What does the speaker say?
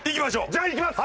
じゃあいきます！